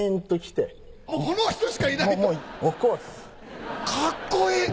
この人しかいないと？